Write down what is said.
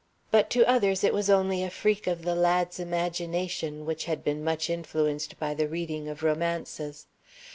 But to others it was only a freak of the lad's imagination, which had been much influenced by the reading of romances.